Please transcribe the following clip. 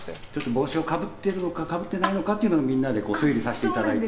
帽子をかぶっているのかかぶってないのかをみんなで推理させていただいて。